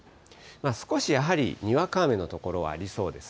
少しやはり、にわか雨の所はありそうです。